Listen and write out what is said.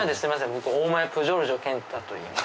僕大前プジョルジョ健太といいます